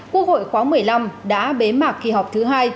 kỳ họp thứ hai đã bế mạc kỳ họp thứ hai